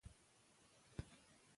که جرئت وي نو زده کوونکی نه پټیږي.